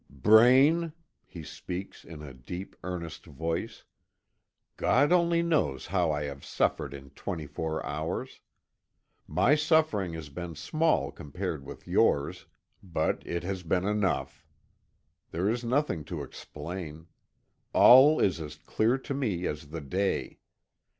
"Braine," he speaks in a deep, earnest voice, "God only knows how I have suffered in twenty four hours. My suffering has been small compared with yours, but it has been enough. There is nothing to explain. All is as clear to me as the day.